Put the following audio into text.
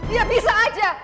ya bisa aja